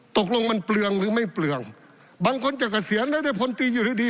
ตกลงมันเปลืองหรือไม่เปลืองบางคนจะเกษียณแล้วได้พลตีอยู่ดีดี